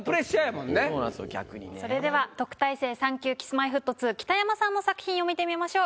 特待生３級Ｋｉｓ−Ｍｙ−Ｆｔ２北山さんの作品を見てみましょう。